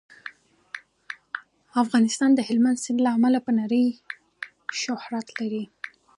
افغانستان د هلمند سیند له امله په نړۍ شهرت لري.